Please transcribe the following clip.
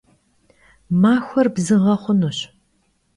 Maxuer bzığe xhunuş.